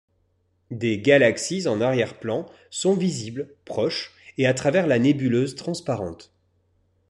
Des galaxies en arrière-plan sont visibles proches et à travers la nébuleuse transparente.